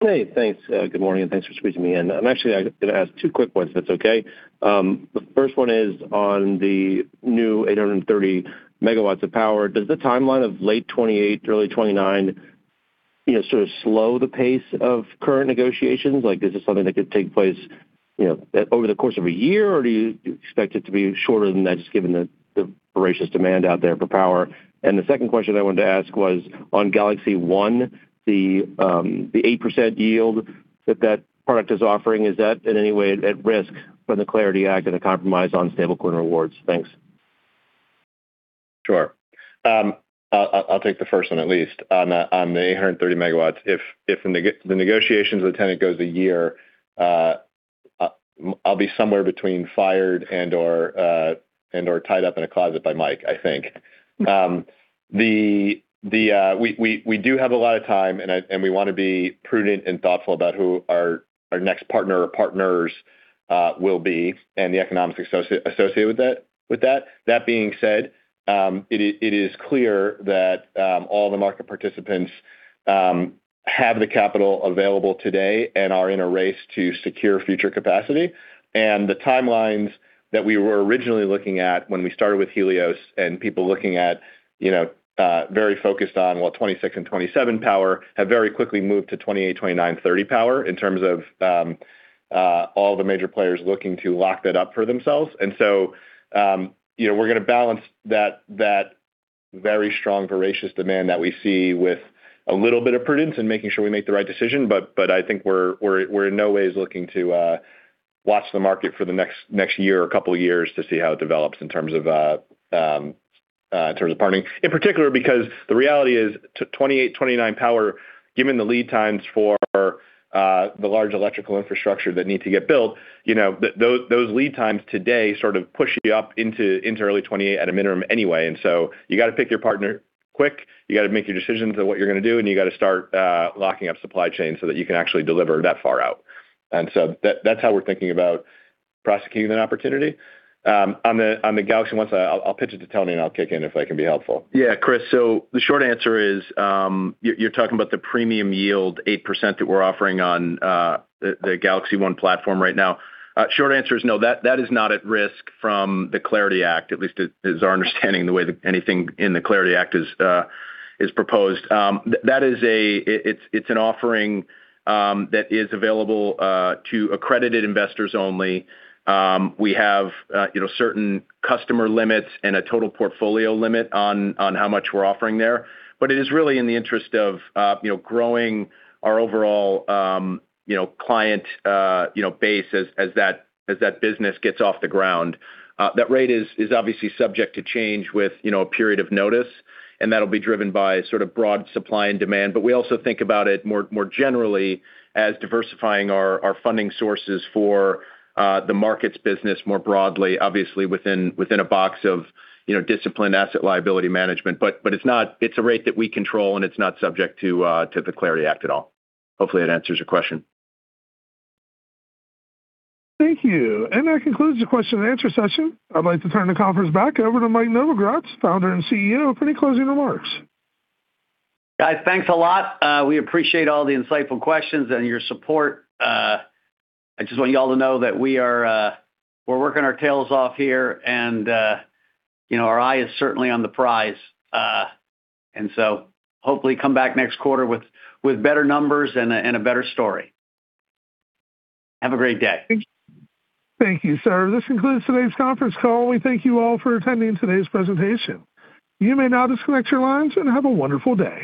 Hey, thanks. Good morning, and thanks for squeezing me in. I'm actually gonna ask two quick ones, if that's okay. The first one is on the new 830 megawatts of power. Does the timeline of late 2028, early 2029, you know, sort of slow the pace of current negotiations? Like, is this something that could take place, you know, over the course of a year, or do you expect it to be shorter than that, just given the voracious demand out there for power? And the second question I wanted to ask was, on Galaxy One, the 8% yield that that product is offering, is that in any way at risk from the Clarity Act and the compromise on stablecoin rewards? Thanks. Sure. I'll, I'll, I'll take the first one, at least. On the, on the 830 MW, if, if the neg- the negotiations with the tenant goes a year, I'll be somewhere between fired and/or, and/or tied up in a closet by Mike, I think. The, the... We, we, we do have a lot of time, and I- and we wanna be prudent and thoughtful about who our, our next partner or partners, will be and the economics associ-associated with that, with that. That being said, it is, it is clear that, all the market participants, have the capital available today and are in a race to secure future capacity. The timelines that we were originally looking at when we started with Helios and people looking at, you know, very focused on, well, 2026 and 2027 power, have very quickly moved to 2028, 2029, 2030 power in terms of, all the major players looking to lock that up for themselves. And so, you know, we're gonna balance that very strong, voracious demand that we see with a little bit of prudence in making sure we make the right decision. But I think we're in no ways looking to watch the market for the next year or couple of years to see how it develops in terms of partnering. In particular, because the reality is, 2028, 2029 power, given the lead times for the large electrical infrastructure that need to get built, you know, those, those lead times today sort of push you up into, into early 2028 at a minimum anyway. And so you gotta pick your partner quick, you gotta make your decisions on what you're gonna do, and you gotta start locking up supply chain so that you can actually deliver that far out. And so that, that's how we're thinking about prosecuting that opportunity. On the, on the Galaxy One side, I'll, I'll pitch it to Tony, and I'll kick in if I can be helpful. Yeah, Chris, so the short answer is... You're talking about the premium yield, 8%, that we're offering on the Galaxy One platform right now. Short answer is no, that is not at risk from the Clarity Act, at least as our understanding, the way that anything in the Clarity Act is proposed. That is a... It's an offering that is available to accredited investors only. We have, you know, certain customer limits and a total portfolio limit on how much we're offering there. But it is really in the interest of, you know, growing our overall, you know, client, you know, base as that business gets off the ground. That rate is obviously subject to change with, you know, a period of notice, and that'll be driven by sort of broad supply and demand. But we also think about it more generally as diversifying our funding sources for the markets business more broadly, obviously within a box of, you know, disciplined asset liability management. But it's not. It's a rate that we control, and it's not subject to the Clarity Act at all. Hopefully, that answers your question. Thank you. That concludes the question and answer session. I'd like to turn the conference back over to Mike Novogratz, Founder and CEO, for any closing remarks. Guys, thanks a lot. We appreciate all the insightful questions and your support. I just want you all to know that we are, we're working our tails off here, and, you know, our eye is certainly on the prize. And so hopefully come back next quarter with better numbers and a better story. Have a great day. Thank you, sir. This concludes today's conference call. We thank you all for attending today's presentation. You may now disconnect your lines, and have a wonderful day.